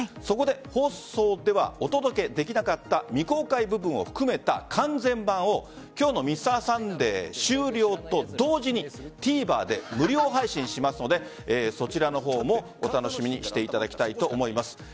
そこで放送ではお届けできなかった未公開部分を含めた完全版を今日の「Ｍｒ．サンデー」終了と同時にＴＶｅｒで無料配信しますのでそちらの方もお楽しみにしていただきたいと思います。